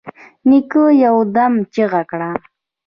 نيکه يودم چيغه کړه.